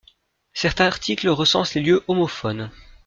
Cet article recense les lieux homophones.